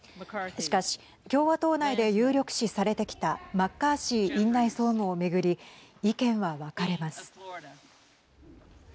しかし共和党内で有力視されてきたマッカーシー院内総務を巡り意見は分かれます。